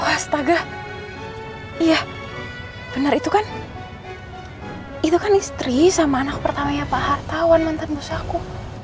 oh astaga iya bener itu kan itu kan istri sama anak pertamanya pak hartawan mantan busaku